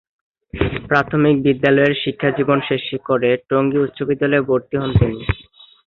প্রাথমিক বিদ্যালয়ের শিক্ষাজীবন শেষ করে টঙ্গী উচ্চ বিদ্যালয়ে ভর্তি হন তিনি।